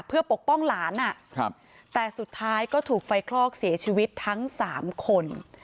เพื่อปกป้องหลานแต่สุดท้ายก็ถูกไฟคลอกเสียชีวิตทั้งสามคน